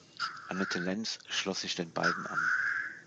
Anette Lenz schloss sich den beiden an.